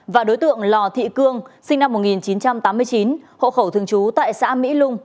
và đối tượng lò thị cương sinh năm một nghìn chín trăm tám mươi chín hộ khẩu thường trú tại xã mỹ lung